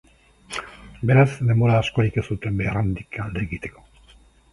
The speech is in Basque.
Beraz, denbora askorik ez zuten behar handik alde egiteko.